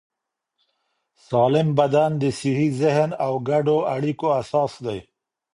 سالم بدن د صحي ذهن او ګډو اړیکو اساس دی.